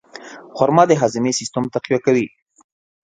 خرما د هاضمې سیستم تقویه کوي.